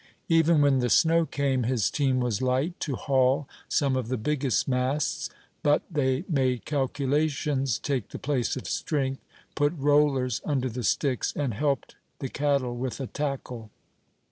Even when the snow came, his team was light to haul some of the biggest masts; but they made calculations take the place of strength, put rollers under the sticks, and helped the cattle with a tackle.